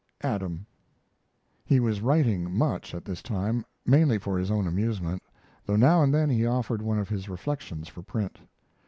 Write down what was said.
ADAM. He was writing much at this time, mainly for his own amusement, though now and then he offered one of his reflections for print.